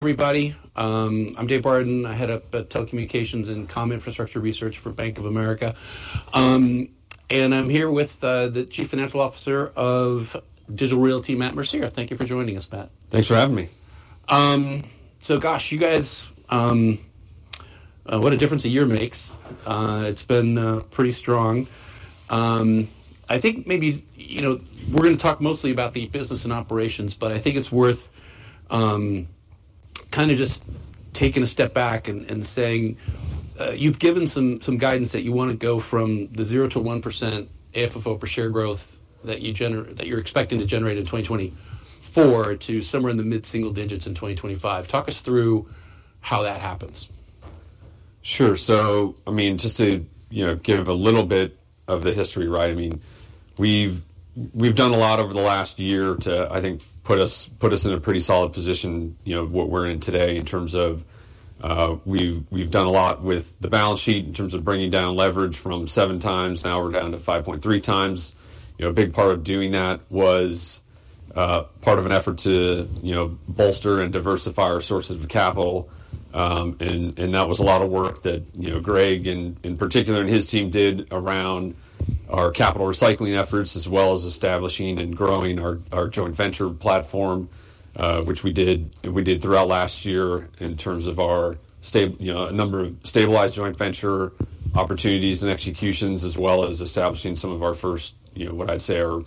Everybody, I'm David Barden. I head up Telecommunications and Comm Infrastructure Research for Bank of America. And I'm here with the Chief Financial Officer of Digital Realty, Matt Mercier. Thank you for joining us, Matt. Thanks for having me. So gosh, you guys, what a difference a year makes. It's been pretty strong. I think maybe, you know, we're gonna talk mostly about the business and operations, but I think it's worth kind of just taking a step back and saying you've given some guidance that you wanna go from the 0%-1% AFFO per share growth that you're expecting to generate in 2024 to somewhere in the mid-single digits in 2025. Talk us through how that happens. Sure. So, I mean, just to, you know, give a little bit of the history, right? I mean, we've done a lot over the last year to, I think, put us in a pretty solid position, you know, what we're in today in terms of, we've done a lot with the balance sheet in terms of bringing down leverage from seven times, now we're down to 5.3 times. You know, a big part of doing that was part of an effort to, you know, bolster and diversify our sources of capital. And that was a lot of work that, you know, Greg in particular and his team did around our capital recycling efforts, as well as establishing and growing our joint venture platform, which we did throughout last year in terms of our, you know, a number of stabilized joint venture opportunities and executions, as well as establishing some of our first, you know, what I'd say are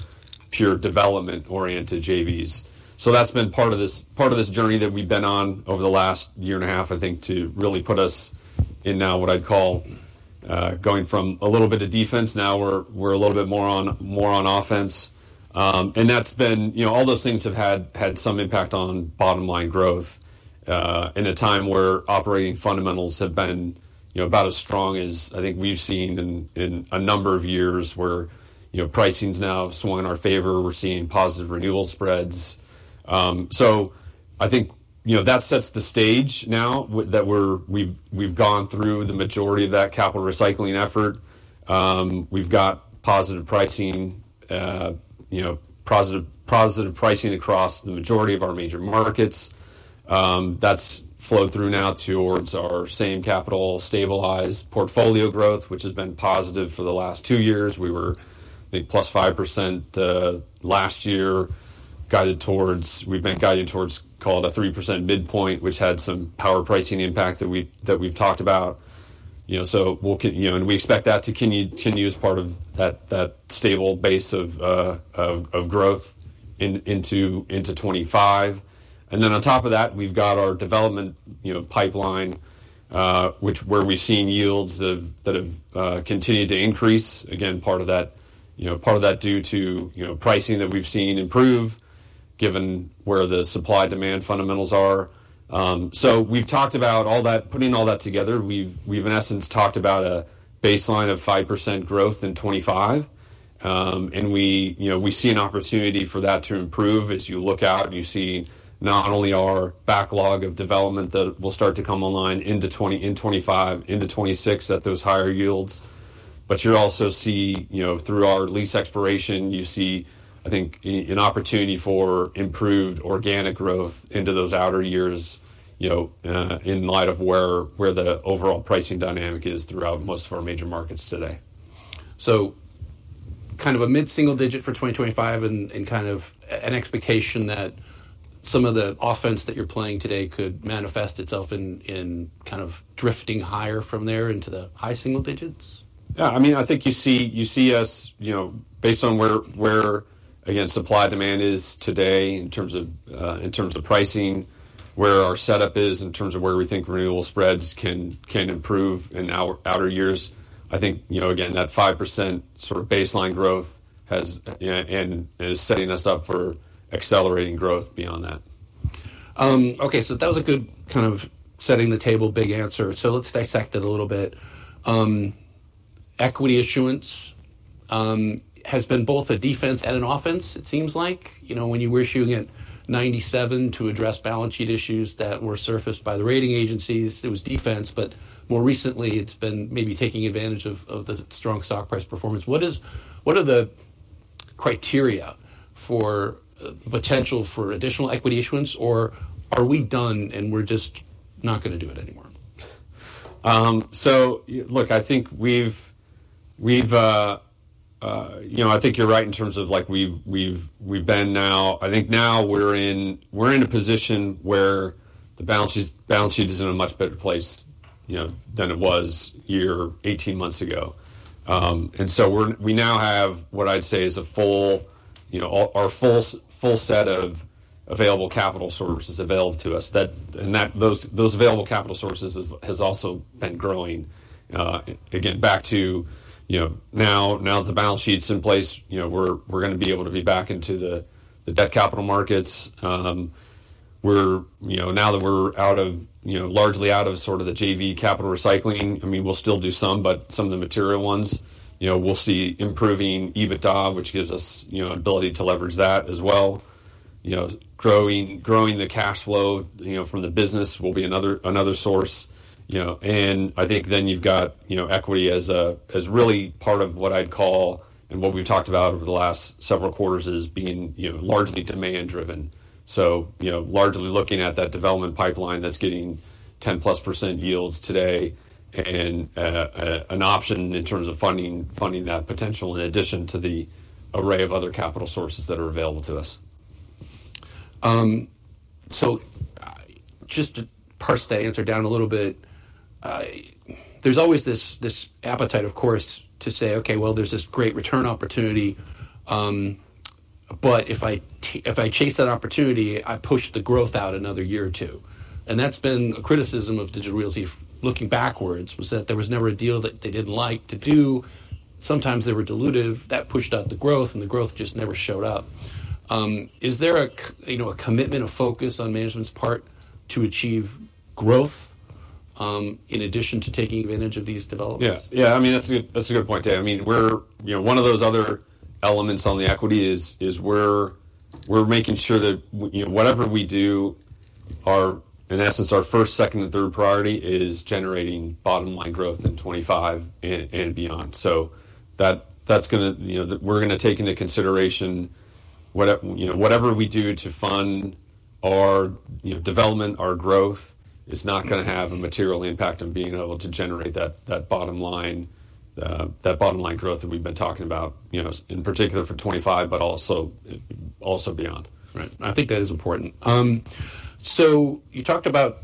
pure development-oriented JVs. So that's been part of this journey that we've been on over the last year and a half, I think, to really put us in now what I'd call going from a little bit of defense, now we're a little bit more on offense. And that's been. You know, all those things have had some impact on bottom line growth in a time where operating fundamentals have been, you know, about as strong as I think we've seen in a number of years, where, you know, pricing's now swung in our favor. We're seeing positive renewal spreads. So I think, you know, that sets the stage now that we've gone through the majority of that capital recycling effort. We've got positive pricing, you know, positive pricing across the majority of our major markets. That's flowed through now towards our same-capital stabilized portfolio growth, which has been positive for the last two years. We were, I think, plus 5% last year, guided towards. We've been guided towards call it a 3% midpoint, which had some power pricing impact that we've talked about. You know, so we'll continue, you know, and we expect that to continue as part of that stable base of growth into 2025. And then on top of that, we've got our development pipeline, where we've seen yields that have continued to increase. Again, part of that due to pricing that we've seen improve, given where the supply-demand fundamentals are. So we've talked about all that. Putting all that together, we've in essence talked about a baseline of 5% growth in 2025. And we, you know, we see an opportunity for that to improve. As you look out, you see not only our backlog of development that will start to come online into 2025, into 2026 at those higher yields, but you also see, you know, through our lease expiration, you see, I think, an opportunity for improved organic growth into those outer years, you know, in light of where the overall pricing dynamic is throughout most of our major markets today. So kind of a mid-single digit for 2025 and kind of an expectation that some of the offense that you're playing today could manifest itself in kind of drifting higher from there into the high single digits? Yeah, I mean, I think you see us, you know, based on where, again, supply-demand is today in terms of, in terms of pricing, where our setup is in terms of where we think renewal spreads can improve in outer years. I think, you know, again, that 5% sort of baseline growth has and is setting us up for accelerating growth beyond that. Okay, so that was a good kind of setting the table, big answer. So let's dissect it a little bit. Equity issuance has been both a defense and an offense, it seems like. You know, when you were issuing at $97 to address balance sheet issues that were surfaced by the rating agencies, it was defense, but more recently, it's been maybe taking advantage of the strong stock price performance. What are the criteria for potential for additional equity issuance, or are we done, and we're just not gonna do it anymore? So look, I think you're right in terms of, like, now we're in a position where the balance sheet is in a much better place, you know, than it was a year, eighteen months ago. So we now have what I'd say is a full, you know, full set of available capital sources available to us. And those available capital sources have also been growing. Again, back to, you know, now that the balance sheet's in place, you know, we're gonna be able to be back into the debt capital markets. We're, you know, now that we're out of, you know, largely out of sort of the JV capital recycling. I mean, we'll still do some, but some of the material ones, you know, we'll see improving EBITDA, which gives us, you know, an ability to leverage that as well. You know, growing the cash flow, you know, from the business will be another source. You know, and I think then you've got, you know, equity as a, as really part of what I'd call, and what we've talked about over the last several quarters, as being, you know, largely demand-driven. So, you know, largely looking at that development pipeline that's getting 10-plus% yields today, and an option in terms of funding that potential, in addition to the array of other capital sources that are available to us. So, just to parse that answer down a little bit, there's always this appetite, of course, to say, "Okay, well, there's this great return opportunity, but if I chase that opportunity, I push the growth out another year or two." And that's been a criticism of Digital Realty. Looking backwards, was that there was never a deal that they didn't like to do. Sometimes they were dilutive. That pushed out the growth, and the growth just never showed up. Is there, you know, a commitment of focus on management's part to achieve growth, in addition to taking advantage of these developments? Yeah. Yeah, I mean, that's a good point, David. I mean, we're you know, one of those other elements on the equity is we're making sure that you know, whatever we do, our in essence, our first, second, and third priority is generating bottom line growth in twenty-five and beyond. So that's gonna you know, we're gonna take into consideration whatever we do to fund our you know, development, our growth, is not gonna have a material impact on being able to generate that bottom line growth that we've been talking about you know, in particular for twenty-five, but also beyond. Right. I think that is important. So you talked about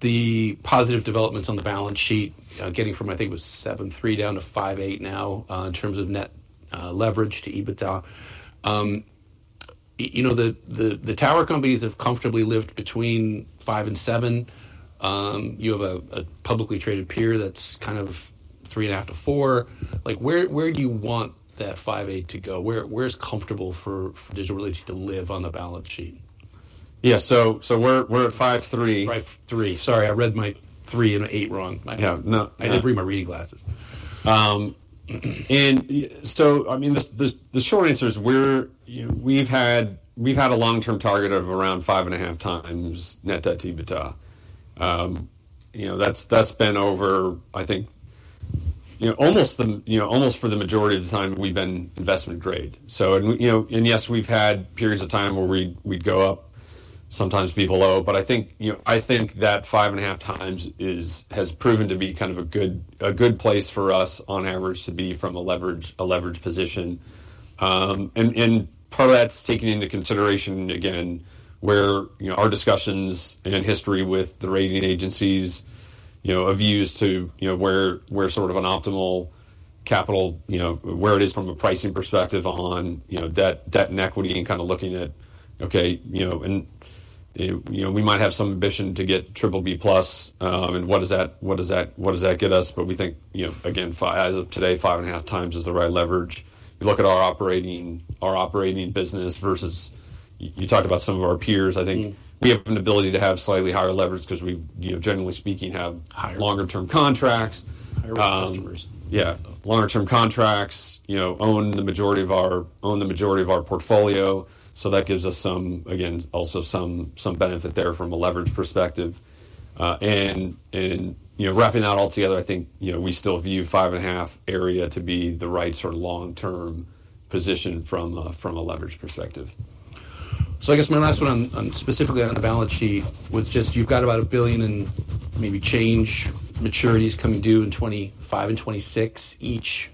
the positive developments on the balance sheet, getting from, I think it was 7.3 down to 5.8 now, in terms of net leverage to EBITDA. You know, the tower companies have comfortably lived between five and seven. You have a publicly traded peer that's kind of three and a half to four. Like, where, where do you want that 5.8 to go? Where, where's comfortable for Digital Realty to live on the balance sheet? Yeah, so we're at five three. 5.3. Sorry, I read my 3.8 wrong. Yeah, no. I didn't bring my reading glasses. And so, I mean, the short answer is we're. You know, we've had a long-term target of around five and a half times net debt to EBITDA. You know, that's been over, I think, you know, almost for the majority of the time we've been investment grade. So, and, you know, and yes, we've had periods of time where we'd go up, sometimes be below, but I think, you know, I think that five and a half times has proven to be kind of a good place for us on average, to be from a leverage position. Part of that's taking into consideration, again, where, you know, our discussions and history with the rating agencies, you know, our views to, you know, where sort of an optimal capital, you know, where it is from a pricing perspective on, you know, debt and equity and kinda looking at, okay, you know. We might have some ambition to get BBB+, and what does that get us? We think, you know, again, five and a half times is the right leverage as of today. You look at our operating business versus you talked about some of our peers, I think We have an ability to have slightly higher leverage 'cause we, you know, generally speaking, have Higher longer-term contracts. Higher customers. Yeah. Longer term contracts, you know, own the majority of our portfolio. So that gives us some benefit there from a leverage perspective. And, you know, wrapping that all together, I think, you know, we still view five and a half area to be the right sort of long-term position from a leverage perspective. So I guess my last one, specifically on the balance sheet, was just you've got about $1 billion and maybe change maturities coming due in 2025 and 2026 each.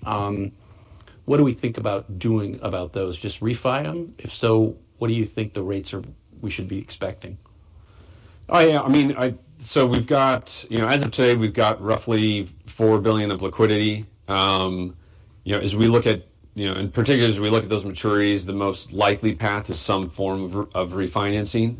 What do we think about doing about those? Just refi them? If so, what do you think the rates are, we should be expecting? Oh, yeah, I mean, so we've got, you know, as of today, we've got roughly $4 billion of liquidity. You know, as we look at, you know, in particular, as we look at those maturities, the most likely path is some form of refinancing.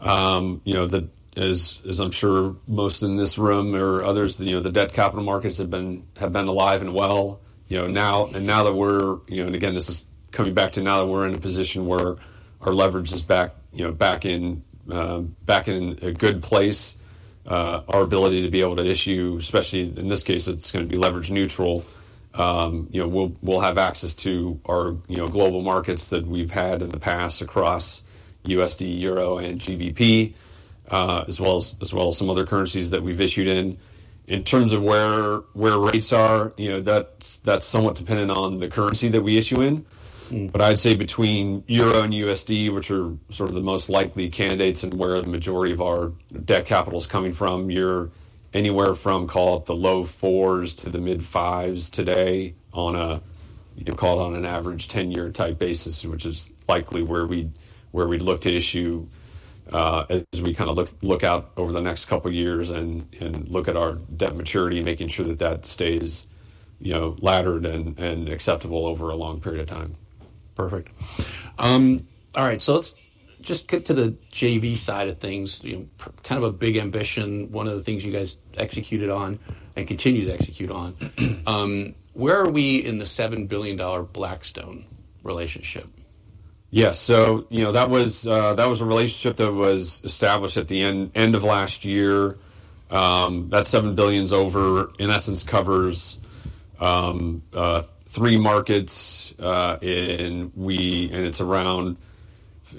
You know, as I'm sure most in this room or others, you know, the debt capital markets have been alive and well, you know. Now, and now that we're, you know, and again, this is coming back to now that we're in a position where our leverage is back, you know, back in a good place. Our ability to be able to issue, especially in this case, it's gonna be leverage neutral. You know, we'll have access to our, you know, global markets that we've had in the past across USD, Euro, and GBP, as well as some other currencies that we've issued in. In terms of where rates are, you know, that's somewhat dependent on the currency that we issue in. But I'd say between Euro and USD, which are sort of the most likely candidates and where the majority of our debt capital is coming from, you're anywhere from, call it, the low fours to the mid fives today, on a, you call it on an average ten-year type basis, which is likely where we'd look to issue, as we kinda look out over the next couple of years and look at our debt maturity, making sure that that stays, you know, laddered and acceptable over a long period of time. Perfect. All right, so let's just get to the JV side of things. You know, kind of a big ambition, one of the things you guys executed on and continue to execute on. Where are we in the $7 billion Blackstone relationship? Yeah. So you know, that was a relationship that was established at the end of last year. That $7 billion, in essence, covers three markets, and it's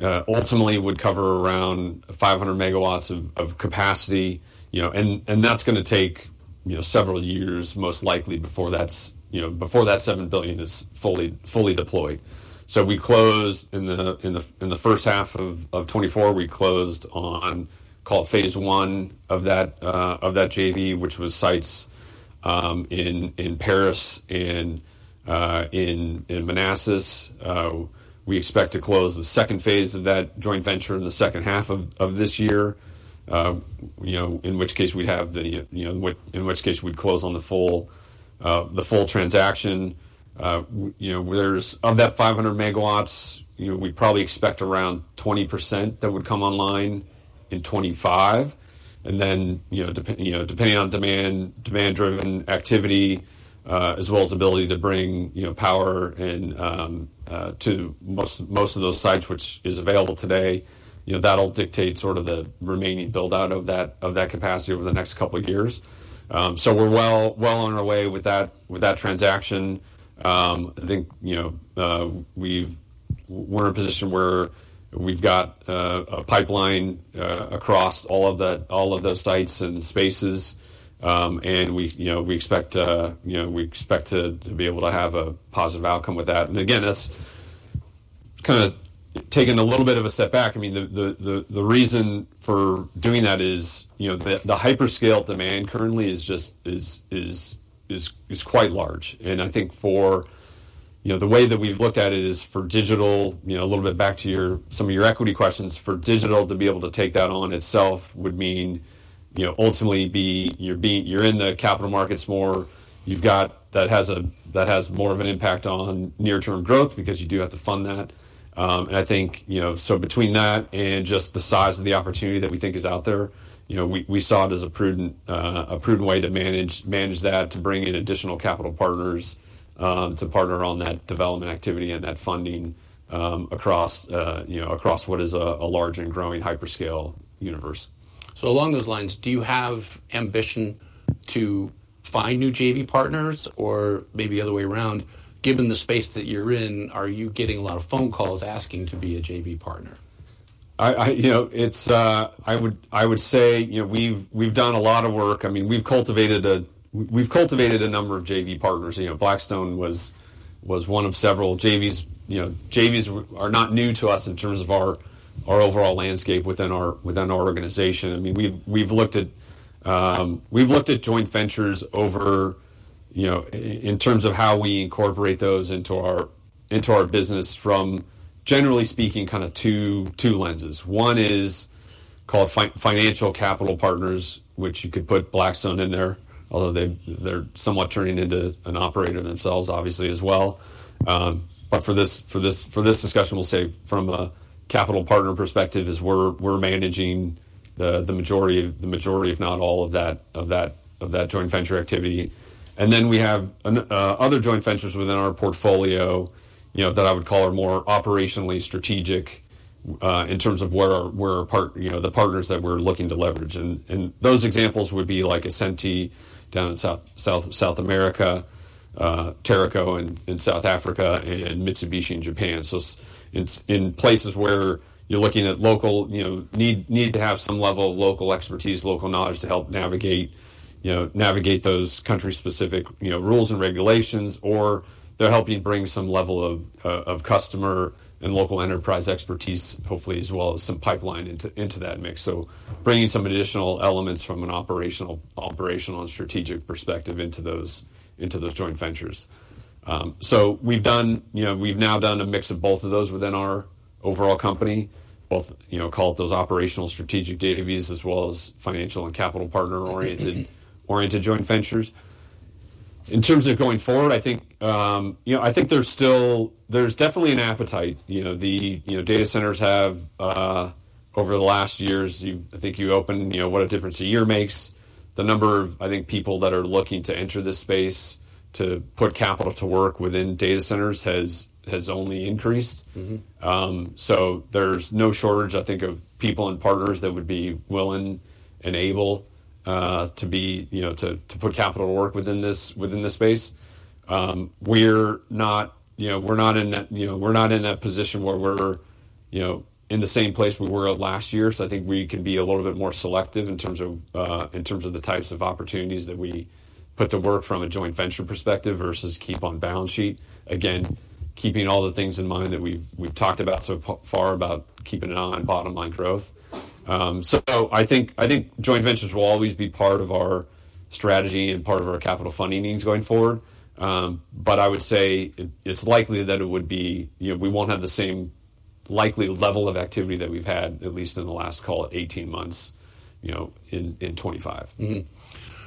ultimately would cover around 500 MW of capacity, you know. And that's gonna take you know several years, most likely, before that's you know before that $7 billion is fully deployed. We closed in the first half of 2024. We closed on call it phase I of that JV, which was sites in Paris and in Manassas. We expect to close the second phase of that joint venture in the second half of this year. You know, in which case, we'd close on the full transaction. You know, there's of that 500 MW, you know, we probably expect around 20% that would come online in 2025. And then, you know, depending on demand, demand-driven activity, as well as ability to bring power and to most of those sites, which is available today, you know, that'll dictate sort of the remaining build-out of that capacity over the next couple of years. So we're well on our way with that transaction. I think, you know, we're in a position where we've got a pipeline across all of those sites and spaces. And we, you know, we expect, you know, we expect to be able to have a positive outcome with that. And again, that's kinda taking a little bit of a step back. I mean, the reason for doing that is, you know, the hyperscale demand currently is just quite large. And I think for. You know, the way that we've looked at it is for Digital, you know, a little bit back to some of your equity questions, for Digital to be able to take that on itself would mean, you know, ultimately you're being - you're in the capital markets more. You've got. That has more of an impact on near-term growth because you do have to fund that. And I think, you know, so between that and just the size of the opportunity that we think is out there, you know, we saw it as a prudent way to manage that, to bring in additional capital partners, to partner on that development activity and that funding, across, you know, across what is a large and growing hyperscale universe. So along those lines, do you have ambition to find new JV partners, or maybe the other way around? Given the space that you're in, are you getting a lot of phone calls asking to be a JV partner? I, you know, it's. I would say, you know, we've done a lot of work. I mean, we've cultivated a number of JV partners. You know, Blackstone was one of several JVs. You know, JVs are not new to us in terms of our overall landscape within our organization. I mean, we've looked at joint ventures over, you know, in terms of how we incorporate those into our business from, generally speaking, kind of two lenses. One is called financial capital partners, which you could put Blackstone in there, although they're somewhat turning into an operator themselves, obviously, as well. But for this discussion, we'll say from a capital partner perspective, we're managing the majority, if not all of that joint venture activity. And then we have other joint ventures within our portfolio, you know, that I would call are more operationally strategic in terms of the partners that we're looking to leverage. And those examples would be like Ascenty down in South America, Teraco in South Africa, and Mitsubishi in Japan. So it's in places where you're looking at local, you know, need to have some level of local expertise, local knowledge to help navigate, you know, those country-specific, you know, rules and regulations, or they're helping bring some level of customer and local enterprise expertise, hopefully, as well as some pipeline into that mix, so bringing some additional elements from an operational and strategic perspective into those joint ventures, so we've now done a mix of both of those within our overall company, both, you know, call it those operational strategic JVs, as well as financial and capital partner-oriented joint ventures. In terms of going forward, I think, you know, I think there's still. There's definitely an appetite. You know, the data centers have over the last years. You've, I think you opened, you know, What a Difference a Year Makes. The number of, I think, people that are looking to enter this space to put capital to work within data centers has only increased. So there's no shortage, I think, of people and partners that would be willing and able to put capital to work within this space. We're not, you know, in that position where we're, you know, in the same place we were at last year, so I think we can be a little bit more selective in terms of the types of opportunities that we put to work from a joint venture perspective versus keep on balance sheet. Again, keeping all the things in mind that we've talked about so far about keeping an eye on bottom-line growth. I think joint ventures will always be part of our strategy and part of our capital funding needs going forward. But I would say it's likely that it would be. You know, we won't have the same likely level of activity that we've had, at least in the last, call it eighteen months, you know, in 2025.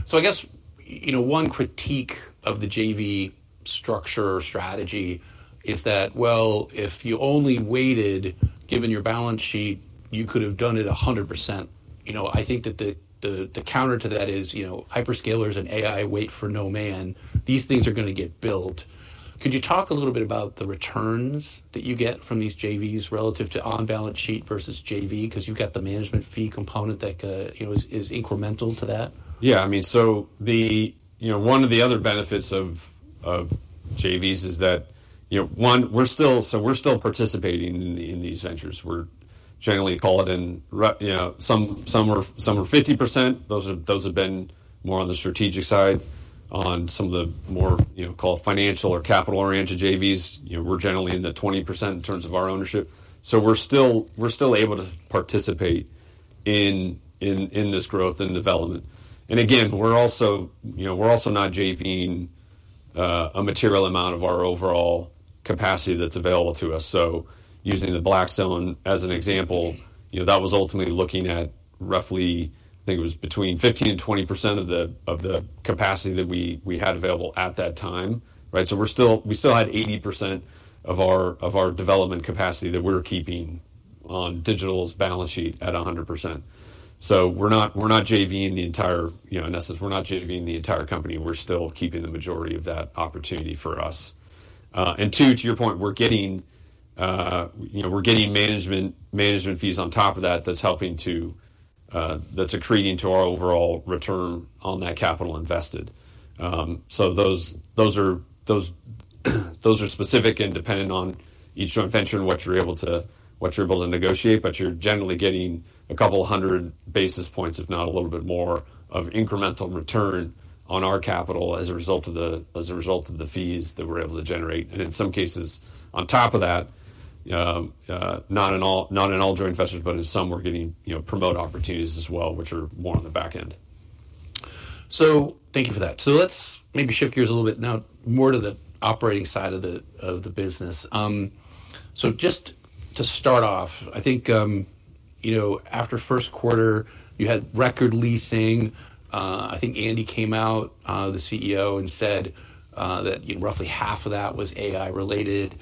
So I guess, you know, one critique of the JV structure or strategy is that, well, if you only waited, given your balance sheet, you could have done it a hundred percent. You know, I think that the counter to that is, you know, hyperscalers and AI wait for no man. These things are gonna get built. Could you talk a little bit about the returns that you get from these JVs relative to on-balance sheet versus JV? 'Cause you've got the management fee component that, you know, is incremental to that. Yeah, I mean, so one of the other benefits of JVs is that, you know, one, we're still, so we're still participating in these ventures. We're generally, you know, some are 50%. Those have been more on the strategic side. On some of the more, you know, called financial or capital-oriented JVs, you know, we're generally in the 20% in terms of our ownership. So we're still able to participate in this growth and development. And again, we're also, you know, we're also not JVing a material amount of our overall capacity that's available to us. Using the Blackstone as an example, you know, that was ultimately looking at roughly, I think it was between 15% and 20% of the capacity that we had available at that time, right? We're still. We still had 80% of our development capacity that we're keeping on Digital's balance sheet at 100%. We're not JVing the entire, you know, in essence, we're not JVing the entire company. We're still keeping the majority of that opportunity for us. And too, to your point, we're getting, you know, we're getting management fees on top of that that's helping to. That's accreting to our overall return on that capital invested. So those are specific and dependent on each joint venture and what you're able to negotiate, but you're generally getting a couple of hundred basis points, if not a little bit more, of incremental return on our capital as a result of the fees that we're able to generate. And in some cases, on top of that, not in all joint ventures, but in some we're getting, you know, promote opportunities as well, which are more on the back end. So thank you for that. So let's maybe shift gears a little bit now more to the operating side of the business. So just to start off, I think, you know, after first quarter, you had record leasing. I think Andy came out, the CEO, and said, that roughly half of that was AI related.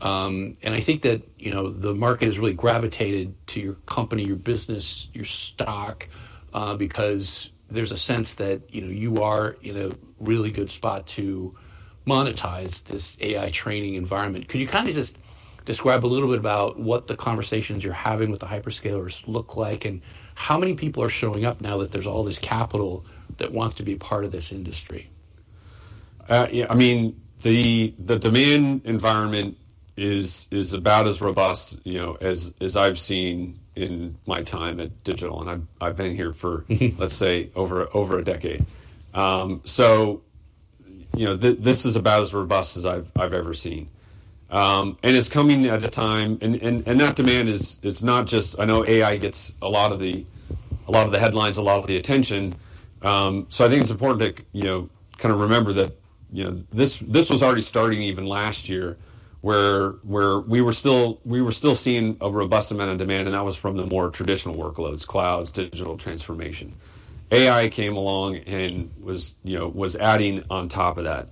And I think that, you know, the market has really gravitated to your company, your business, your stock, because there's a sense that, you know, you are in a really good spot to monetize this AI training environment. Could you kind of just describe a little bit about what the conversations you're having with the hyperscalers look like, and how many people are showing up now that there's all this capital that wants to be part of this industry? Yeah, I mean, the demand environment is about as robust, you know, as I've seen in my time at Digital, and I've been here for, let's say, over a decade. So you know, this is about as robust as I've ever seen, and it's coming at a time, and that demand is, it's not just, I know AI gets a lot of the headlines, a lot of the attention. So I think it's important to, you know, kind of remember that, you know, this was already starting even last year, where we were still seeing a robust amount of demand, and that was from the more traditional workloads: clouds, digital transformation. AI came along and was, you know, adding on top of that.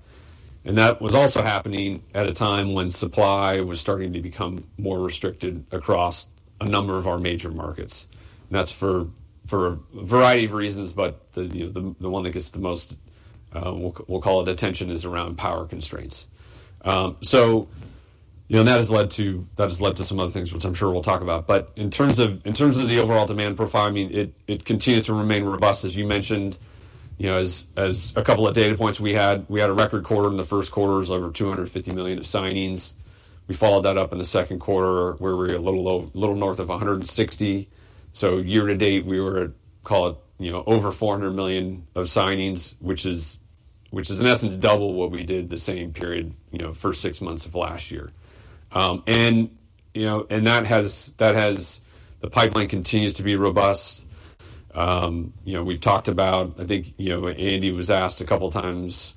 And that was also happening at a time when supply was starting to become more restricted across a number of our major markets. That's for a variety of reasons, but you know, the one that gets the most, we'll call it attention, is around power constraints. So, you know, that has led to some other things, which I'm sure we'll talk about. But in terms of the overall demand profile, I mean, it continues to remain robust, as you mentioned. You know, as a couple of data points we had a record quarter in the first quarter, it was over $250 million of signings. We followed that up in the second quarter, where we're a little low, little north of $160 million. Year to date, we were at, call it, you know, over $400 million of signings, which is, in essence, double what we did the same period, you know, first six months of last year. And that has. The pipeline continues to be robust. You know, we've talked about. I think, you know, Andy was asked a couple of times,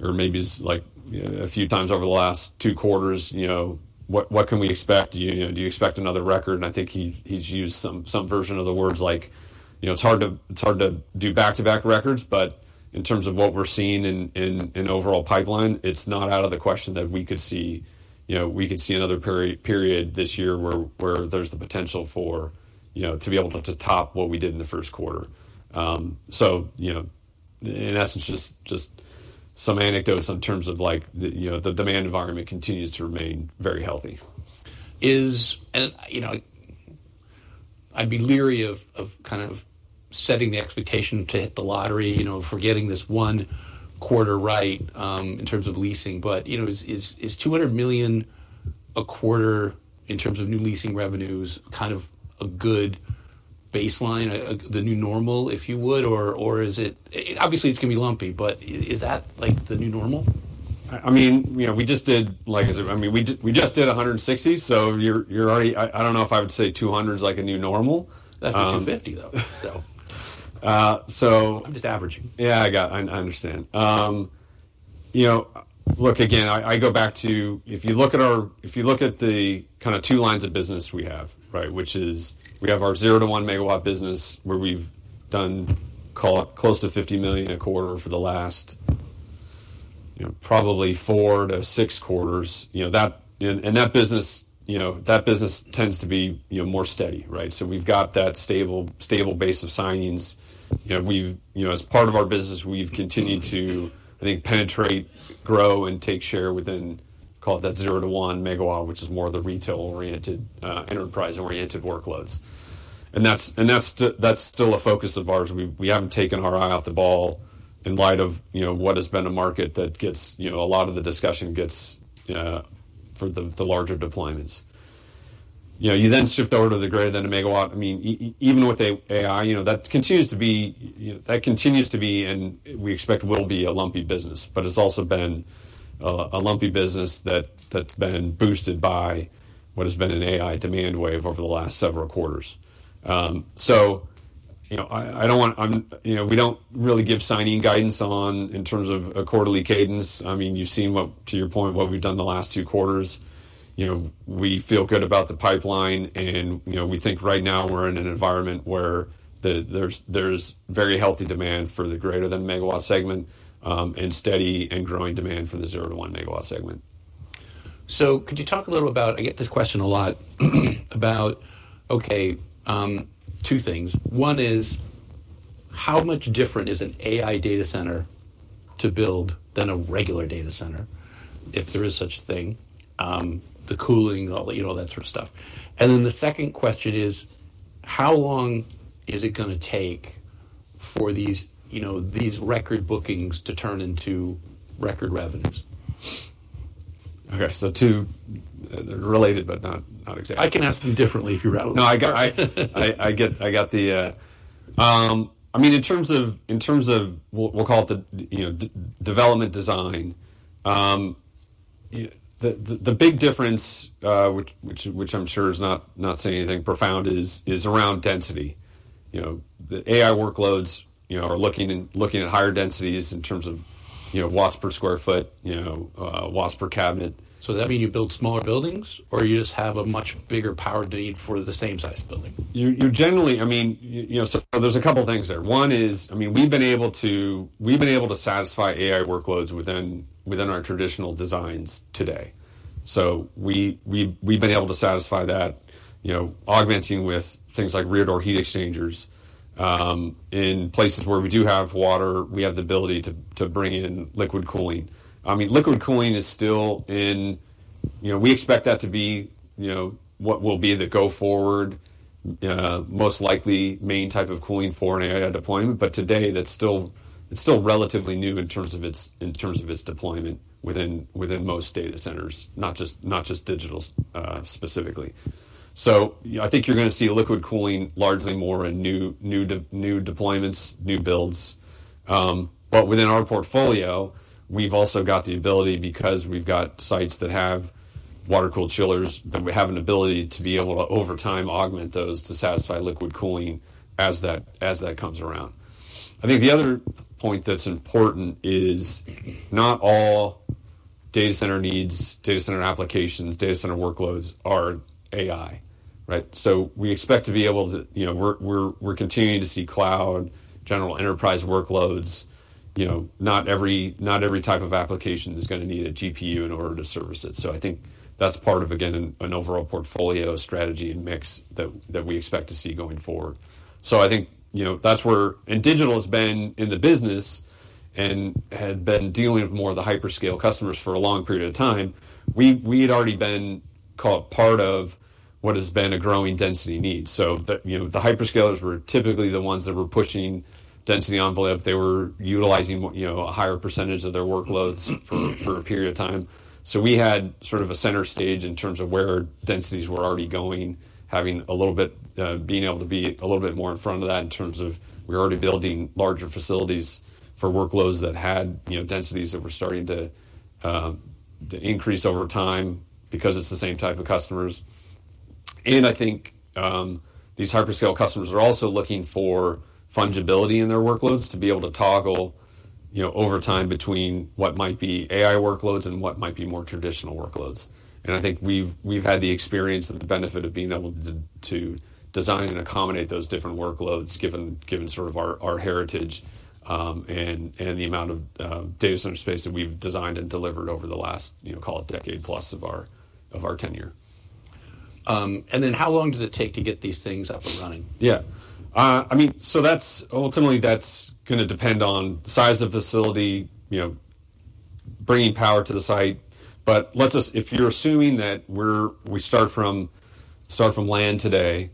or maybe like a few times over the last two quarters, you know: "What can we expect? Do you expect another record?" And I think he's used some version of the words like: "You know, it's hard to do back-to-back records," but in terms of what we're seeing in overall pipeline, it's not out of the question that we could see, you know, we could see another period this year where there's the potential for, you know, to be able to top what we did in the first quarter. So, you know, in essence, just some anecdotes in terms of like, you know, the demand environment continues to remain very healthy. You know, I'd be leery of kind of setting the expectation to hit the lottery, you know, for getting this one quarter right, in terms of leasing. But you know, is $200 million a quarter, in terms of new leasing revenues, kind of a good baseline, the new normal, if you would? Or is it. Obviously, it's gonna be lumpy, but is that, like, the new normal? I mean, you know, we just did like... I mean, we just did a hundred and sixty, so you're already. I don't know if I would say two hundred is like a new normal. That's $250, though, so. so I'm just averaging. Yeah, I got it. I understand. You know, look, again, I go back to. If you look at our, if you look at the kind of two lines of business we have, right? Which is we have our zero-to-one megawatt business, where we've done call it close to $50 million a quarter for the last, you know, probably 4-6 quarters. You know, that. And that business, you know, that business tends to be, you know, more steady, right? So we've got that stable, stable base of signings. You know, we've, you know, as part of our business, we've continued to, I think, penetrate, grow, and take share within, call it that zero-to-one megawatt, which is more of the retail-oriented, enterprise-oriented workloads. And that's still a focus of ours. We haven't taken our eye off the ball in light of, you know, what has been a market that gets, you know, a lot of the discussion gets for the larger deployments. You know, you then shift over to the greater than a megawatt. I mean, even with AI, you know, that continues to be, you know, that continues to be, and we expect will be a lumpy business. But it's also been a lumpy business that's been boosted by what has been an AI demand wave over the last several quarters. So, you know, I don't want. I'm, you know, we don't really give signing guidance on in terms of a quarterly cadence. I mean, you've seen what, to your point, what we've done the last two quarters. You know, we feel good about the pipeline and, you know, we think right now we're in an environment where there's very healthy demand for the greater than megawatt segment, and steady and growing demand for the zero-to-one megawatt segment. So could you talk a little about. I get this question a lot, about, okay, two things. One is, how much different is an AI data center to build than a regular data center, if there is such a thing? The cooling, all, you know, all that sort of stuff. And then the second question is, how long is it gonna take for these, you know, these record bookings to turn into record revenues? Okay. So two, they're related, but not, not exactly. I can ask them differently if you'd rather. No, I got it. I mean, in terms of, we'll call it the, you know, development design, the big difference, which I'm sure is not saying anything profound, is around density. You know, the AI workloads, you know, are looking at higher densities in terms of, you know, watts per square foot, you know, watts per cabinet. So does that mean you build smaller buildings, or you just have a much bigger power need for the same size building? You generally, I mean, you know, so there's a couple things there. One is, I mean, we've been able to satisfy AI workloads within our traditional designs today. So we've been able to satisfy that, you know, augmenting with things like rear door heat exchangers. In places where we do have water, we have the ability to bring in liquid cooling. I mean, liquid cooling is still, you know, we expect that to be, you know, what will be the go forward, most likely main type of cooling for an AI deployment. But today, that's still, it's still relatively new in terms of its deployment within most data centers, not just Digital's specifically. So I think you're gonna see liquid cooling largely more in new deployments, new builds. But within our portfolio, we've also got the ability, because we've got sites that have water-cooled chillers, that we have an ability to be able to, over time, augment those to satisfy liquid cooling as that comes around. I think the other point that's important is not all data center needs, data center applications, data center workloads are AI, right? So we expect to be able to. You know, we're continuing to see cloud, general enterprise workloads. You know, not every type of application is gonna need a GPU in order to service it. So I think that's part of, again, an overall portfolio strategy and mix that we expect to see going forward. So I think, you know, that's where and Digital has been in the business and had been dealing with more of the hyperscale customers for a long period of time. We had already been called part of what has been a growing density need. So the, you know, the hyperscalers were typically the ones that were pushing density envelope. They were utilizing more, you know, a higher percentage of their workloads for a period of time. So we had sort of a center stage in terms of where densities were already going, having a little bit being able to be a little bit more in front of that in terms of we're already building larger facilities for workloads that had, you know, densities that were starting to to increase over time because it's the same type of customers. And I think these hyperscale customers are also looking for fungibility in their workloads, to be able to toggle, you know, over time between what might be AI workloads and what might be more traditional workloads. And I think we've had the experience and the benefit of being able to design and accommodate those different workloads, given sort of our heritage and the amount of data center space that we've designed and delivered over the last, you know, call it decade plus of our tenure. And then how long does it take to get these things up and running? Yeah. I mean, so that's ultimately gonna depend on the size of the facility, you know, bringing power to the site, but let's just if you're assuming that we start from land today,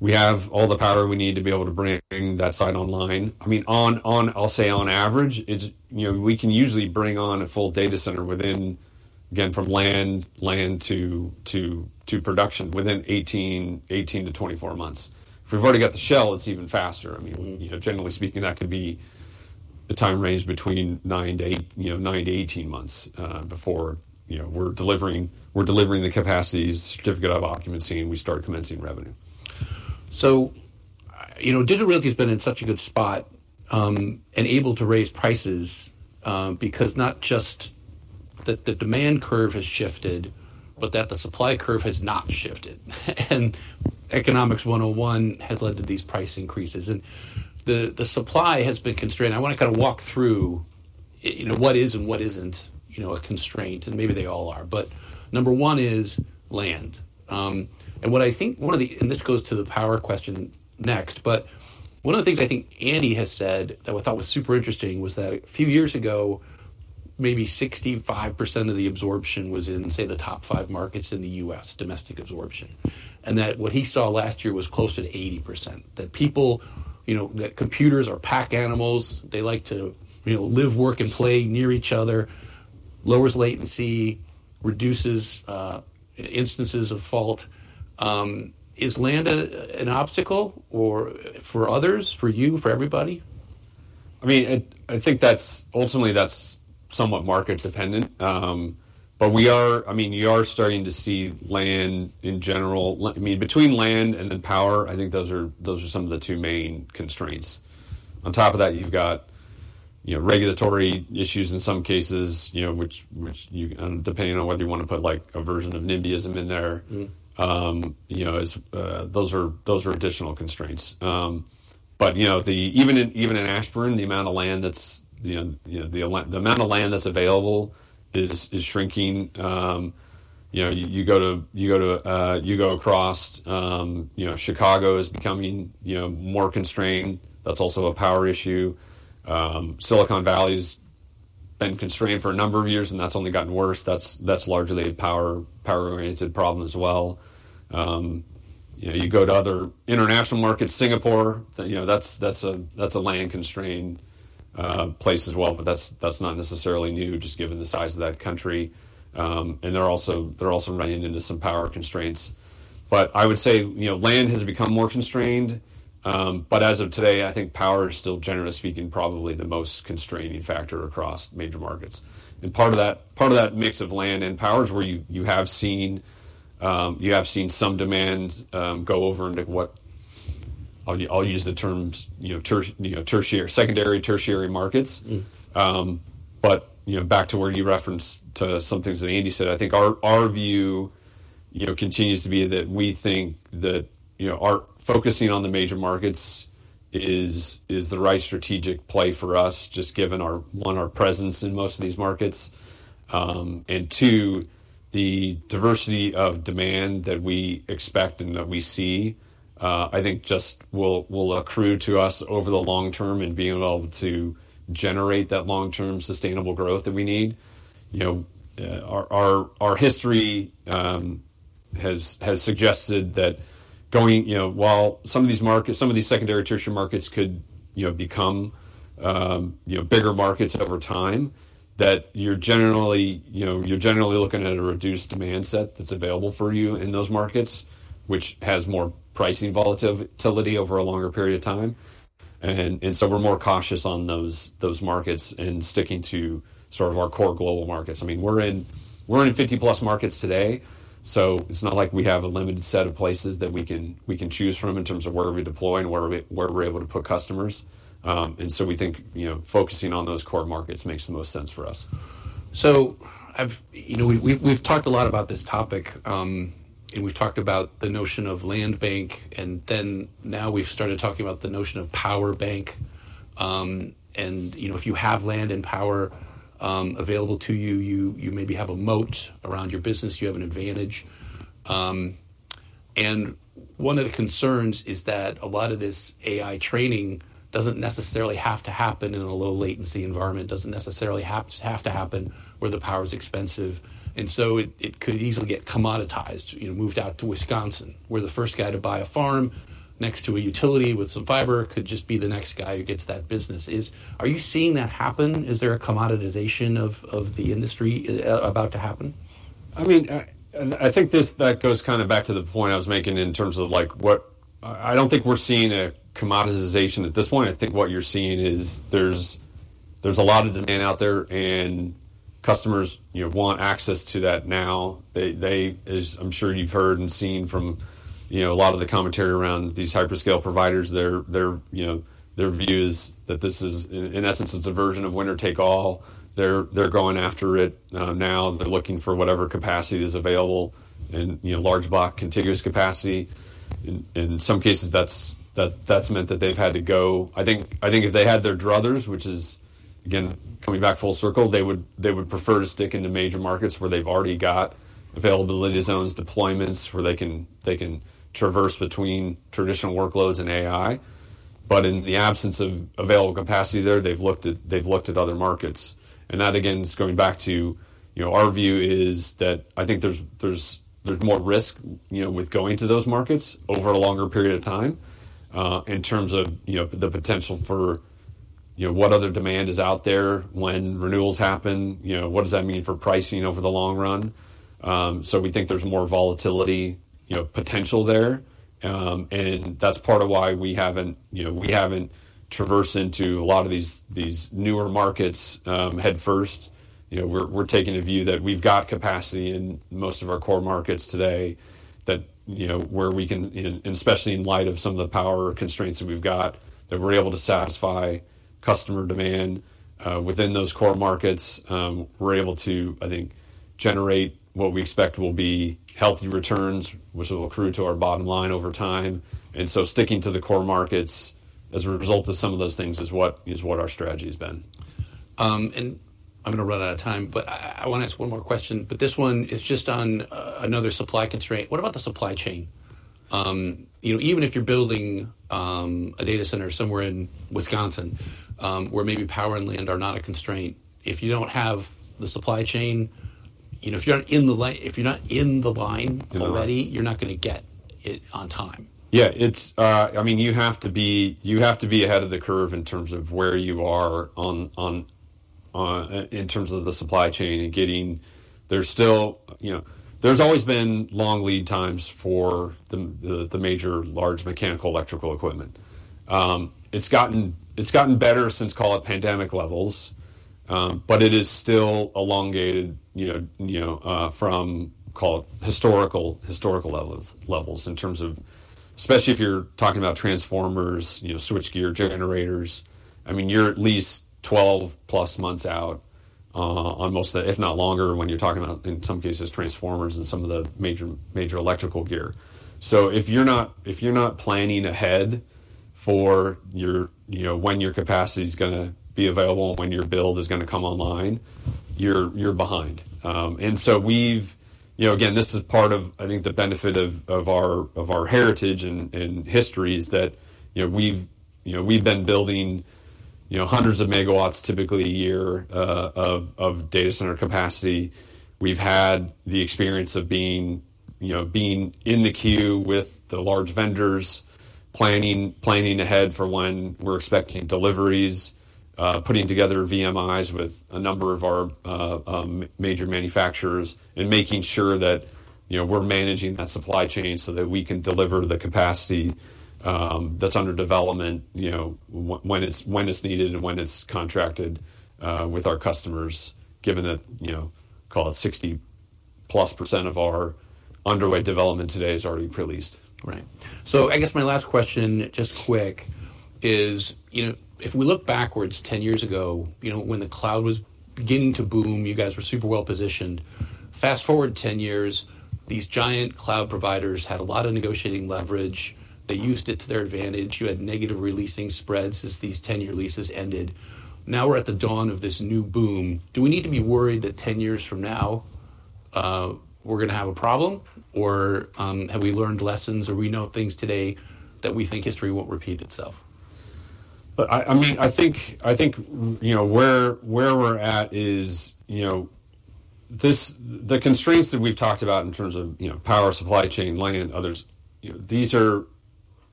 we have all the power we need to be able to bring that site online. I mean, I'll say on average, it's, you know, we can usually bring on a full data center within, again, from land to production, within eighteen to twenty-four months. If we've already got the shell, it's even faster. You know, generally speaking, that could be a time range between eight to nine, you know, nine to 18 months before, you know, we're delivering the capacities, certificate of occupancy, and we start commencing revenue. So, you know, Digital Realty has been in such a good spot, and able to raise prices, because not just the demand curve has shifted, but that the supply curve has not shifted. And Economics 101 has led to these price increases, and the supply has been constrained. I wanna kind of walk through, you know, what is and what isn't, you know, a constraint, and maybe they all are, but. Number one is land. And what I think one of the, and this goes to the power question next, but one of the things I think Andy has said that I thought was super interesting was that a few years ago, maybe 65% of the absorption was in, say, the top five markets in the U.S., domestic absorption, and that what he saw last year was closer to 80%. That people, you know, that computers are pack animals. They like to, you know, live, work, and play near each other, lowers latency, reduces instances of fault. Is land an obstacle or for others, for you, for everybody? I mean, I think that's ultimately somewhat market dependent. But we are—I mean, you are starting to see land in general. I mean, between land and then power, I think those are some of the two main constraints. On top of that, you've got, you know, regulatory issues in some cases, you know, which you, depending on whether you want to put, like, a version of NIMBYism in there. You know, as those are additional constraints. But you know, even in Ashburn, the amount of land that's available is shrinking. You know, you go across, you know, Chicago is becoming more constrained. That's also a power issue. Silicon Valley's been constrained for a number of years, and that's only gotten worse. That's largely a power-oriented problem as well. You know, you go to other international markets, Singapore, you know, that's a land-constrained place as well, but that's not necessarily new, just given the size of that country. They're also running into some power constraints. But I would say, you know, land has become more constrained. But as of today, I think power is still, generally speaking, probably the most constraining factor across major markets. And part of that mix of land and power is where you have seen some demand go over into what, I'll use the terms, you know, tertiary, secondary, tertiary markets. But, you know, back to where you referenced to some things that Andy said, I think our view, you know, continues to be that we think that, you know, our focusing on the major markets is the right strategic play for us, just given our, one, our presence in most of these markets, and two, the diversity of demand that we expect and that we see. I think just will accrue to us over the long term and being able to generate that long-term sustainable growth that we need. You know, our history has suggested that going you know, while some of these markets, some of these secondary, tertiary markets could, you know, become you know, bigger markets over time, that you're generally, you know, you're generally looking at a reduced demand set that's available for you in those markets, which has more pricing volatility over a longer period of time. And so we're more cautious on those markets and sticking to sort of our core global markets. I mean, we're in fifty-plus markets today, so it's not like we have a limited set of places that we can choose from in terms of where we deploy and where we're able to put customers. And so we think, you know, focusing on those core markets makes the most sense for us. So I've you know, we've talked a lot about this topic, and we've talked about the notion of land bank, and then now we've started talking about the notion of power bank. And you know, if you have land and power available to you, you maybe have a moat around your business, you have an advantage. And one of the concerns is that a lot of this AI training doesn't necessarily have to happen in a low-latency environment, doesn't necessarily have to happen where the power is expensive, and so it could easily get commoditized, you know, moved out to Wisconsin, where the first guy to buy a farm next to a utility with some fiber could just be the next guy who gets that business. Are you seeing that happen? Is there a commoditization of the industry about to happen? I mean, and I think this that goes kinda back to the point I was making in terms of, like, what. I don't think we're seeing a commoditization at this point. I think what you're seeing is there's a lot of demand out there, and customers, you know, want access to that now. They, as I'm sure you've heard and seen from, you know, a lot of the commentary around these hyperscale providers, their, you know, their view is that this is, in essence, it's a version of winner take all. They're going after it now, and they're looking for whatever capacity is available and, you know, large block, contiguous capacity. In some cases, that's meant that they've had to go. I think if they had their druthers, which is, again, coming back full circle, they would prefer to stick in the major markets where they've already got availability zones, deployments, where they can traverse between traditional workloads and AI. But in the absence of available capacity there, they've looked at other markets. And that, again, is going back to, you know, our view is that I think there's more risk, you know, with going to those markets over a longer period of time, in terms of, you know, the potential for, you know, what other demand is out there when renewals happen. You know, what does that mean for pricing over the long run? So we think there's more volatility, you know, potential there, and that's part of why we haven't, you know, traversed into a lot of these newer markets headfirst. You know, we're taking a view that we've got capacity in most of our core markets today, that, you know, where we can, and especially in light of some of the power constraints that we've got, that we're able to satisfy customer demand within those core markets. We're able to, I think, generate what we expect will be healthy returns, which will accrue to our bottom line over time. And so sticking to the core markets as a result of some of those things is what our strategy has been. And I'm gonna run out of time, but I wanna ask one more question, but this one is just on another supply constraint. What about the supply chain? You know, even if you're building a data center somewhere in Wisconsin, where maybe power and land are not a constraint, if you don't have the supply chain, you know, if you're not in the line already In the line. you're not gonna get it on time. Yeah, it's, I mean, you have to be ahead of the curve in terms of where you are on in terms of the supply chain and getting. There's still, you know, there's always been long lead times for the major large mechanical electrical equipment. It's gotten better since, call it, pandemic levels, but it is still elongated, you know, from, call it, historical levels in terms of- especially if you're talking about transformers, you know, switchgear, generators. I mean, you're at least twelve plus months out on most of that, if not longer, when you're talking about, in some cases, transformers and some of the major electrical gear. So if you're not planning ahead for your, you know, when your capacity's gonna be available and when your build is gonna come online, you're behind. And so we've, you know, again, this is part of, I think, the benefit of our heritage and history is that, you know, we've been building, you know, hundreds of megawatts, typically a year, of data center capacity. We've had the experience of being, you know, being in the queue with the large vendors, planning ahead for when we're expecting deliveries, putting together VMIs with a number of our major manufacturers, and making sure that, you know, we're managing that supply chain so that we can deliver the capacity that's under development, you know, when it's needed and when it's contracted with our customers, given that, you know, call it 60% plus of our underway development today is already pre-leased. Right. So I guess my last question, just quick, is, you know, if we look backwards 10 years ago, you know, when the cloud was beginning to boom, you guys were super well-positioned. Fast-forward 10 years, these giant cloud providers had a lot of negotiating leverage. They used it to their advantage. You had negative re-leasing spreads as these 10-year leases ended. Now, we're at the dawn of this new boom. Do we need to be worried that 10 years from now, we're gonna have a problem, or, have we learned lessons, or we know things today that we think history won't repeat itself? Look, I mean, I think, you know, where we're at is, you know, this, the constraints that we've talked about in terms of, you know, power, supply chain, land, others, you know, these are,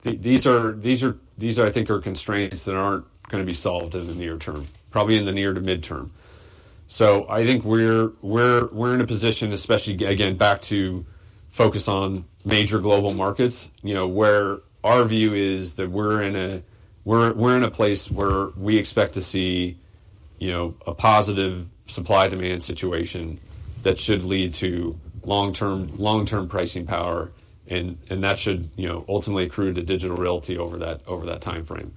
I think, are constraints that aren't gonna be solved in the near term, probably in the near to mid-term. So I think we're in a position, especially, again, back to focus on major global markets, you know, where our view is that we're in a place where we expect to see, you know, a positive supply-demand situation that should lead to long-term pricing power, and that should, you know, ultimately accrue to Digital Realty over that timeframe.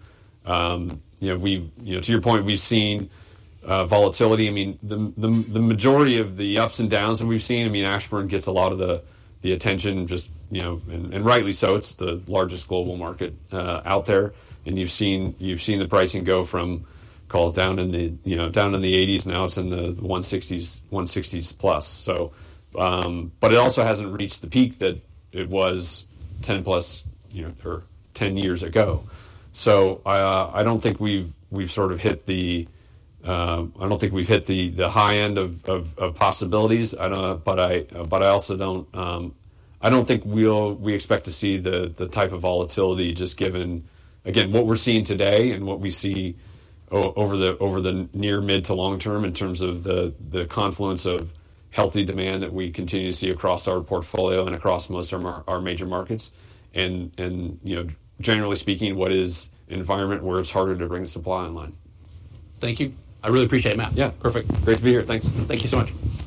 You know, to your point, we've seen volatility. I mean, the majority of the ups and downs that we've seen, I mean, Ashburn gets a lot of the attention just, you know, and rightly so. It's the largest global market out there, and you've seen the pricing go from, call it, down in the eighties, now it's in the one sixties, one sixties plus. So. But it also hasn't reached the peak that it was ten plus, or ten years ago. So I don't think we've sort of hit the, I don't think we've hit the high end of possibilities. But I also don't think we'll expect to see the type of volatility, just given, again, what we're seeing today and what we see over the near mid to long term in terms of the confluence of healthy demand that we continue to see across our portfolio and across most of our major markets. And, you know, generally speaking, what is environment where it's harder to bring supply online. Thank you. I really appreciate it, Matt. Yeah. Perfect. Great to be here. Thanks. Thank you so much.